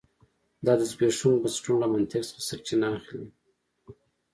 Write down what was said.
دا د زبېښونکو بنسټونو له منطق څخه سرچینه اخلي